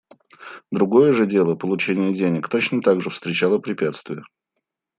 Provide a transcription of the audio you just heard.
Другое же дело — получение денег — точно так же встречало препятствия.